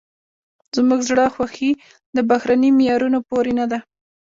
زموږ زړه خوښي د بهرني معیارونو پورې نه ده.